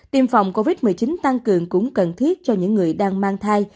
tiêm phòng covid một mươi chín tăng cường cũng cần thiết cho những người đang mang thai